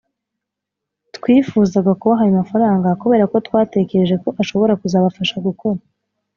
Twifuzaga kubaha ayo mafaranga kubera ko twatekereje ko ashobora kuzabafasha gukora